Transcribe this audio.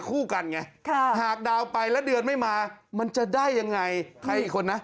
คู่กันไงหากดาวน์ไปแล้วเดือนไม่มามันจะได้ยังไงใครอีกคนนะ